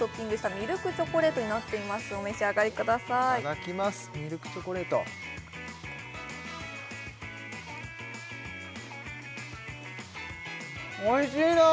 ミルクチョコレートおいしいなあ！